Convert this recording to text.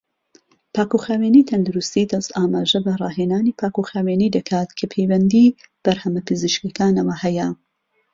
پاکوخاوێنی تەندروستی دەست ئاماژە بە ڕاهێنانی پاکوخاوێنی دەکات کە پەیوەندی بەرهەمە پزیشکیەکانەوە هەیە.